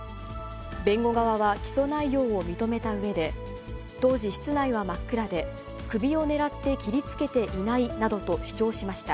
弁護側は起訴内容を認めたうえで、当時、室内は真っ暗で、首を狙って切りつけていないなどと主張しました。